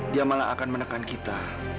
dia malah akan menekan kita